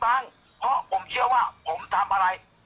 แม่ยังคงมั่นใจและก็มีความหวังในการทำงานของเจ้าหน้าที่ตำรวจค่ะ